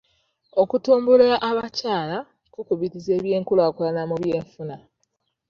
Okutumbula abakyala kukubiriza eby'enkulaakulana mu by'enfuna.